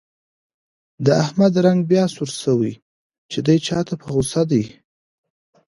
د احمد رنګ بیا سور شوی، چې دی چا ته په غوسه دی.